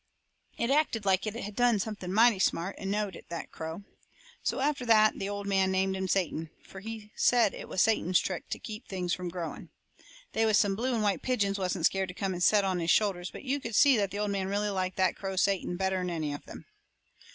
It acted like it had done something mighty smart, and knowed it, that crow. So after that the old man named him Satan, fur he said it was Satan's trick to keep things from growing. They was some blue and white pigeons wasn't scared to come and set on his shoulders; but you could see the old man really liked that crow Satan better'n any of them.